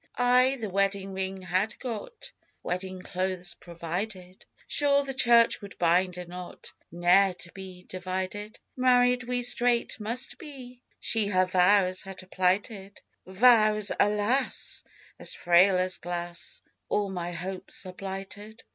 I the wedding ring had got, Wedding clothes provided, Sure the church would bind a knot Ne'er to be divided: Married we straight must be, She her vows had plighted; Vows, alas! as frail as glass: All my hopes are blighted.